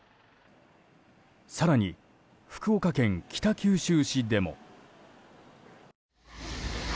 更に、福岡県北九州市でも。